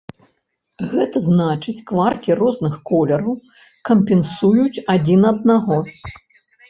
Гэта значыць, кваркі розных колераў кампенсуюць адзін аднаго.